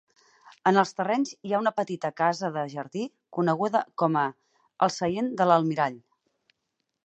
En els terrenys hi ha una petita casa de jardí coneguda com a "El seient de l'almirall".